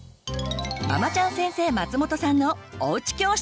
ママちゃん先生松本さんの「おうち教室」！